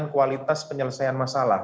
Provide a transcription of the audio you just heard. kualitas penyelesaian masalah